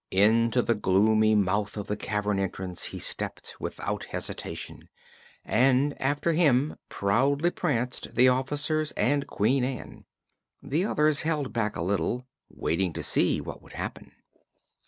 Into the gloomy mouth of the cavern entrance he stepped without hesitation, and after him proudly pranced the officers and Queen Ann. The others held back a little, waiting to see what would happen.